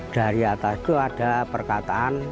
dari atas itu ada perkataan